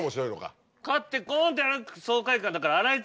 勝ってゴン！ってなる爽快感だから。